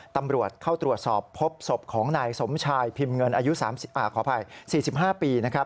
ตำรวจเข้าตรวจสอบพบศพของนายสมชายพิมพ์เงินอายุ๔๕ปี